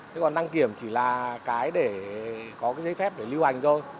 thế còn đăng kiểm chỉ là cái để có cái giấy phép để lưu hành thôi